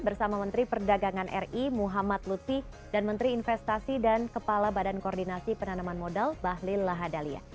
bersama menteri perdagangan ri muhammad lutfi dan menteri investasi dan kepala badan koordinasi penanaman modal bahlil lahadalia